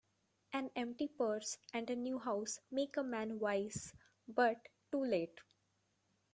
An empty purse, and a new house, make a man wise, but too late.